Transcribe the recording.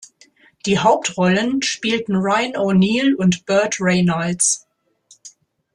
Die Hauptrollen spielten Ryan O’Neal und Burt Reynolds.